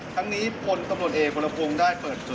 ทั้งนี้พลตำรวจเอกวรพงศ์ได้เปิดเผย